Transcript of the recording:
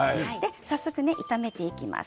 早速、炒めていきます。